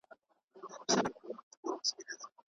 له دوکي څخه ځان وژغورئ.